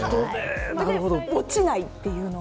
落ちないっていうのが。